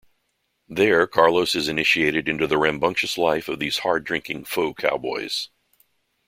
There Carlos is initiated into the rambunctious life of these hard-drinking faux cowboys.